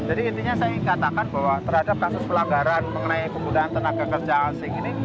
jadi intinya saya ingin katakan bahwa terhadap kasus pelanggaran mengenai kegunaan tenaga kerja asing ini